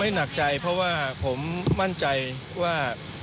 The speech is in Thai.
หนักใจเพราะว่าผมมั่นใจว่า